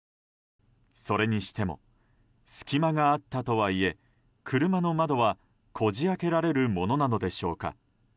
それにしても隙間があったとはいえ車の窓はこじ開けられるものなのでしょうか。